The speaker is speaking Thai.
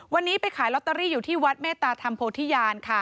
วันนี้ไปขายลอตเตอรี่อยู่ที่วัดเมตตาธรรมโพธิญาณค่ะ